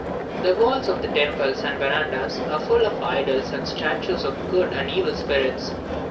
The walls of the temples and verandahs are full of idols and statues of good and evil spirits.